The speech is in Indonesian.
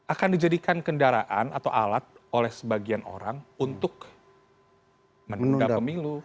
akan dijadikan kendaraan atau alat oleh sebagian orang untuk menunda pemilu